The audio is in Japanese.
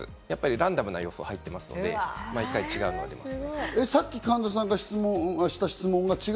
ランダムな要素が入ってますので、毎回違うのが出ます。